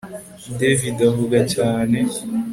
David avuga cyane